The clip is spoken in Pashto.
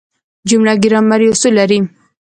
جمله ګرامري اصول لري.